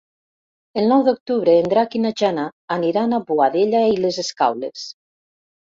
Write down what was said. El nou d'octubre en Drac i na Jana aniran a Boadella i les Escaules.